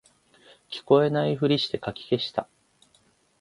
聞こえないふりしてかき消した